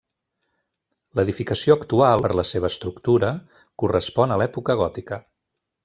L'edificació actual, per la seva estructura, correspon a l'època gòtica.